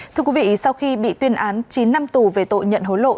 thưa quý vị sau khi bị tuyên án chín năm tù về tội nhận hối lộ